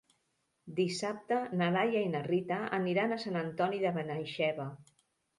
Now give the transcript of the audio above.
Dissabte na Laia i na Rita aniran a Sant Antoni de Benaixeve.